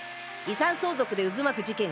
遺産相続で渦巻く事件。